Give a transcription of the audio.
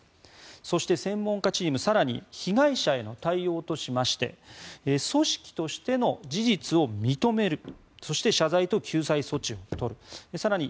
そして専門家チームは更に被害者への対応としまして組織としての事実を認めるそして、謝罪と救済措置を取る更に